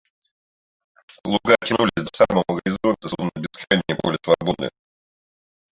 Луга тянулись до самого горизонта, словно бескрайнее поле свободы.